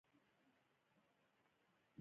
د پیرودونکو خدمتونه د بانکي سیستم اعتبار لوړوي.